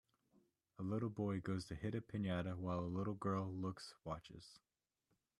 A little boy goes to hit a pinata while a little girl looks watches.